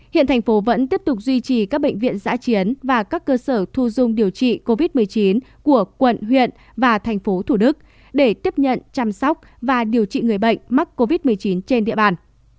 hiện thành phố vẫn tiếp tục duy trì các bệnh viện giã chiến và các cơ sở thu dung điều trị covid một mươi chín của quận huyện và thành phố thủ đức để tiếp nhận chăm sóc và điều trị người bệnh mắc covid một mươi chín trên địa bàn